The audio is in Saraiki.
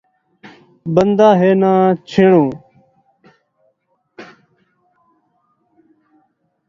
بندہ ہے ناں چھیݨوں